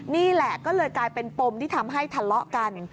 นี่แหละก็เลยกลายเป็นปมที่ทำให้ทะเลาะกัน